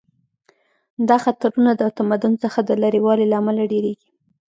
دا خطرونه د تمدن څخه د لرې والي له امله ډیریږي